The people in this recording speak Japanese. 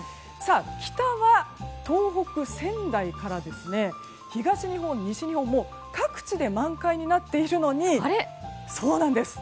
北は東北・仙台から東日本、西日本も各地で満開になっているのにそうなんです。